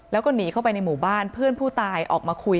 แล้วก็หนีเข้าไปในหมู่บ้านเพื่อนผู้ตาย